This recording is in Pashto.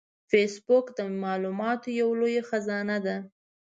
فېسبوک د معلوماتو یو لوی خزانه ده